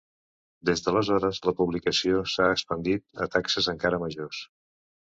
Des d'aleshores, la publicació s'ha expandit a taxes encara majors.